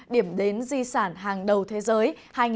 điểm đến di sản hàng đầu thế giới hai nghìn một mươi chín